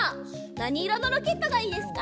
なにいろのロケットがいいですか？